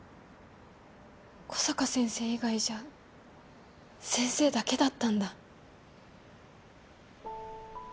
小坂先生以外じゃ先生だけだったんだ。